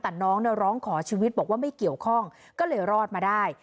แต่น้องเนี่ยร้องขอชีวิตบอกว่าไม่เกี่ยวข้องก็เลยรอดมาได้